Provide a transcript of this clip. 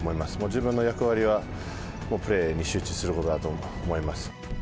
自分の役割は、プレーに集中することだと思います。